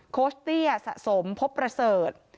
โคชเตี้ยสะสมพบประเสริฐ